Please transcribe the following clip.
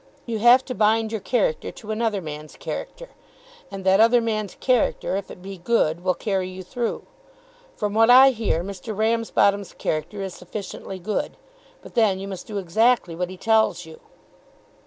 You have to bind your character to another man's character; and that other man's character, if it be good, will carry you through. From what I hear Mr. Ramsbottom's character is sufficiently good; but then you must do exactly what he tells you."